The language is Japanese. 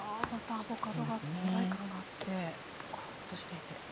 アボカドが存在感があってコロッとしていて。